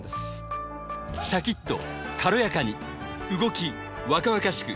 シャキっと軽やかに動き若々しく